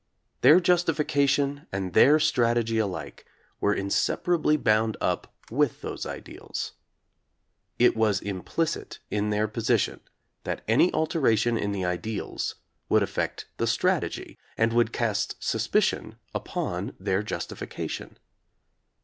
Their justification and their strategy alike were inseparably bound up with those ideals. It was implicit in their position that any alteration in the ideals would affect the strategy and would cast suspicion upon their justification.